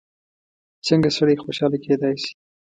څنګه سړی خوشحاله کېدای شي؟